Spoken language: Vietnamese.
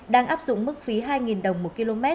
đang áp dụng mức phí hai đồng một km